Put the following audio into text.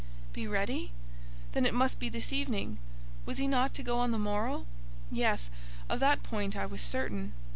"Be ready?" Then it must be this evening: was he not to go on the morrow? Yes; of that point I was certain.